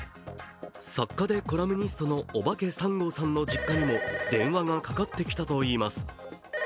作家でコラムニストのおばけ３号さんの実家にも電話がかかってきたといいます。